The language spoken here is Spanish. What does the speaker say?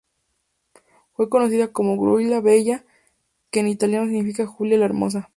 Fue conocida como ""Giulia la bella"", que en italiano significa "Julia la hermosa".